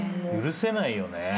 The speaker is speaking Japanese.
許せないよね。